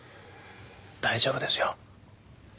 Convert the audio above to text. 大丈夫ですよ。